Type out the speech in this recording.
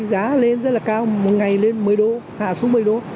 giá lên rất là cao một ngày lên một mươi độ hạ xuống một mươi độ